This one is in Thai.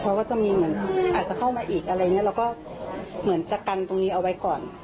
เขาก็จะมีเหมือนอาจจะเข้ามาอีกอะไรอย่างนี้เราก็เหมือนจะกันตรงนี้เอาไว้ก่อน